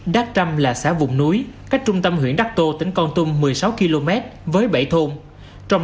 đắc trăm là xã vùng núi cách trung tâm huyện đắc tô tỉnh con tum một mươi sáu km với bảy thôn trong